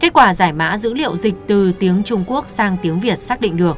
kết quả giải mã dữ liệu dịch từ tiếng trung quốc sang tiếng việt xác định được